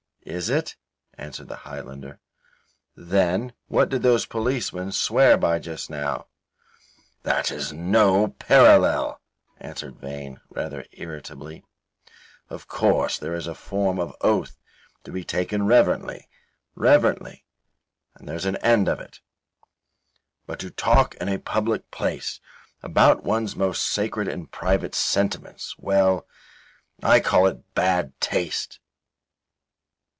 "Is it?" answered the Highlander, "then what did those policemen swear by just now?" "That is no parallel," answered Vane, rather irritably; "of course there is a form of oath to be taken reverently reverently, and there's an end of it. But to talk in a public place about one's most sacred and private sentiments well, I call it bad taste.